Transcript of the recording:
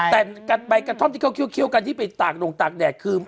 แต่ใบกระท่อมที่เขาเคี่ยวกันที่ไปตากดงตากแดดคือ